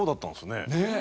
ねえ。